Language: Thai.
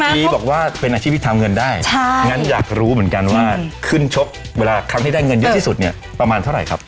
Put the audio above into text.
ีบอกว่าเป็นอาชีพที่ทำเงินได้งั้นอยากรู้เหมือนกันว่าขึ้นชกเวลาครั้งที่ได้เงินเยอะที่สุดเนี่ยประมาณเท่าไหร่ครับ